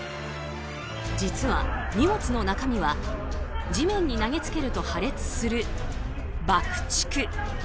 実は、荷物の中身は地面に投げつけると破裂する爆竹。